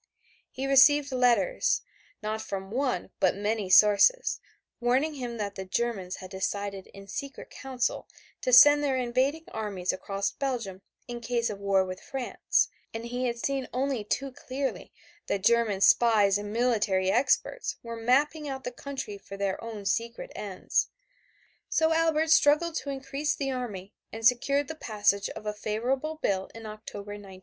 He received letters, not from one but from many sources, warning him that the Germans had decided in secret council to send their invading armies across Belgium in case of war with France, and he had seen only too clearly that German spies and military experts were mapping out the country for their own secret ends. So Albert struggled to increase the army and secured the passage of a favorable bill in October, 1913.